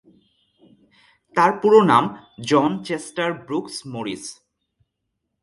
তার পুরো নাম জন চেস্টার ব্রুকস মরিস।